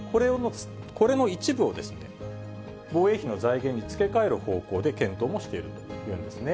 これの一部を、防衛費の財源に付け替える方向で検討もしているというんですね。